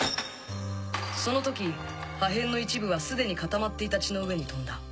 その時破片の一部がすでに固まっていた血の上に飛んだ。